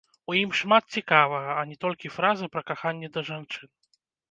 У ім шмат цікавага, а не толькі фраза пра каханне да жанчын.